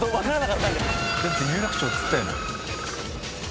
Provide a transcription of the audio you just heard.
だって有楽町っつったよな？